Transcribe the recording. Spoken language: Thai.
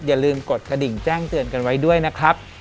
อย่าลืมกดกระดิ่งแจ้งเตือนกันไว้ด้วยนะครับ